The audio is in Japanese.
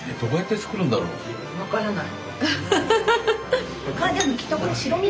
分からない。